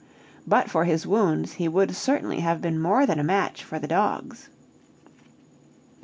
But for his wounds he would certainly have been more than a match for the dogs.